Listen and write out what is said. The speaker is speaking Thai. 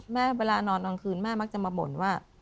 แม่เวลานอนนอนคืนแม่มักจะมาบ่นว่า